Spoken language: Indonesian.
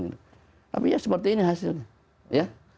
tapi ya seperti ini hasilnya ya